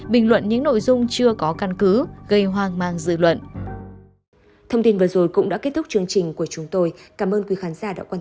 bình luận những nội dung chưa có căn cứ gây hoang mang dư luận